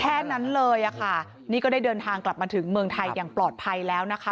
แค่นั้นเลยอะค่ะนี่ก็ได้เดินทางกลับมาถึงเมืองไทยอย่างปลอดภัยแล้วนะคะ